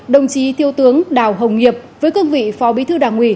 đồng chí thiêu tướng đào hồng nghiệp với cương vị phó bí thư đảng ủy